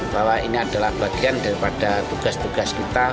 bahwa ini adalah bagian daripada tugas tugas kita